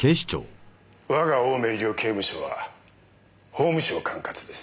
我が青梅医療刑務所は法務省管轄です。